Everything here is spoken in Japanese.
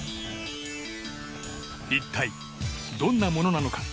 一体どんなものなのか。